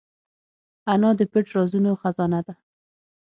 انا د پټ رازونو خزانه ده